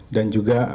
dan juga peneliti